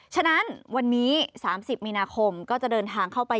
ฉะนั้นวันนี้๓๐มีนาคมก็จะเดินทางเข้าไป